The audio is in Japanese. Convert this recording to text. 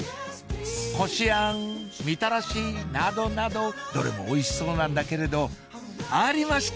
こしあんみたらしなどなどどれもおいしそうなんだけれどありました！